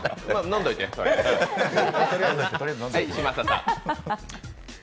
飲んどいて、それ。